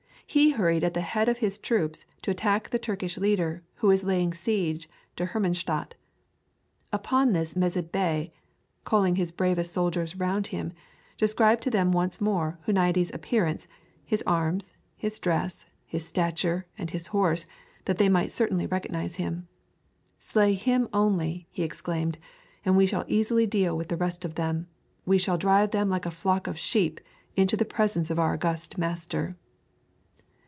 He hurried at the head of his troops to attack the Turkish leader who was laying siege to Hermannstadt. Upon this Mezid Bey, calling his bravest soldiers around him, described to them once more Huniades' appearance, his arms, his dress, his stature, and his horse, that they might certainly recognize him. "Slay him only," he exclaimed; "and we shall easily deal with the rest of them; we shall drive them like a flock of sheep into the presence of our august master."